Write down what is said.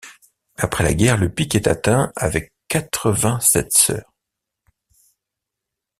Après la guerre, le pic est atteint avec quatre-vingt-sept sœurs.